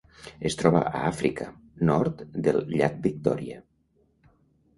Es troba a Àfrica: nord del llac Victòria.